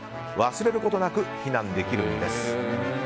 忘れることなく避難できるんです。